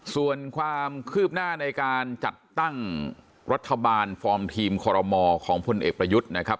ส่วนความคืบหน้าในการจัดตั้งรัฐบาลฟอร์มทีมคอรมอของพลเอกประยุทธ์นะครับ